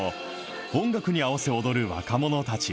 音楽に合わせ踊る若者たち。